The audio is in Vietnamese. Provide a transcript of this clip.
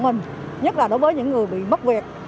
mình nhất là đối với những người bị mất việc